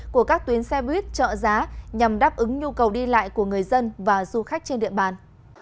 của các tuyến xe buýt trợ giá nhằm đáp ứng nhu cầu đi lại của người dân và du khách trên địa bàn